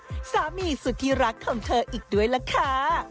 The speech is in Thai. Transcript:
และสามีสุดที่รักของเธออีกด้วยล่ะค่ะ